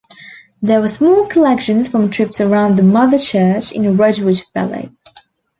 There were smaller collections from trips around the "mother church" in Redwood Valley.